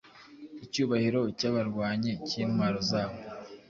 Icyubahiro cyabarwanyi cyintwaro zabo